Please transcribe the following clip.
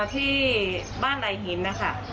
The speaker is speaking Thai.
ที่บ้านในหินค่ะ